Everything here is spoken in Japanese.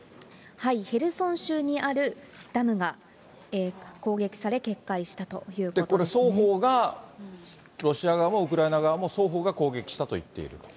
ヘルソン州にあるダムが攻撃され、これ、双方が、ロシア側もウクライナ側も双方が攻撃したと言っていると。